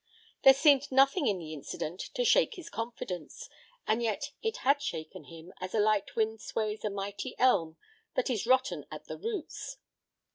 There seemed nothing in the incident to shake his confidence, and yet it had shaken him as a light wind sways a mighty elm that is rotten at the roots.